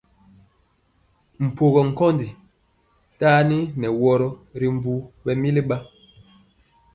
Mpɔga nkondi taniŋeworo ri mbu ɓɛmili ba.